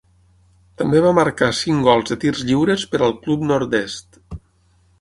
També va marcar cinc gols de tirs lliures per al club nord-est.